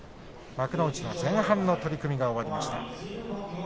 幕内の前半の取組が終わりました。